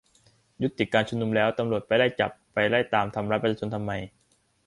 ยุติการชุมนุมแล้ว ตำรวจไปไล่จับ ไปไล่ตามทำร้ายประชาชนทำไม ?